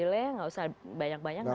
tidak usah banyak banyak